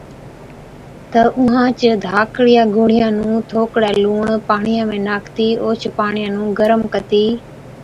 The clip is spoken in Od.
تہ اُونهانچ ڌاڪڙِيان گوڙهِيان نُون ٿوڪڙَي لُوڻ پاڻِيان ۾ ناکتِي اوهچ پاڻِيان نُون گرم ڪتِي